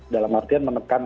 dalam artian menekan